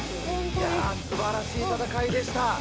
すばらしい戦いでした。